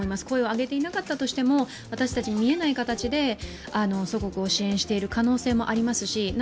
声を上げていなかったとしても、私たちに見えない形で祖国を支援している可能性もありますし。